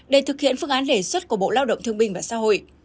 để thực hiện phương án đề xuất của bộ lao động thương binh và xã hội